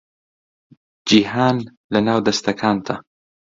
جیهان لەناو دەستەکانتە